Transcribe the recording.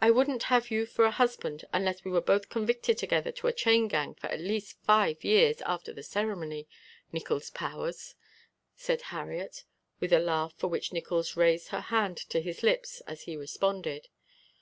"I wouldn't have you for a husband unless we were both convicted together to a chain gang for at least five years after the ceremony, Nickols Powers," said Harriet, with a laugh for which Nickols raised her hand to his lips as he responded.